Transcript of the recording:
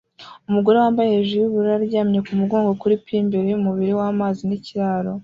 Umugore wambaye hejuru yubururu aryamye kumugongo kuri pir imbere yumubiri wamazi nikiraro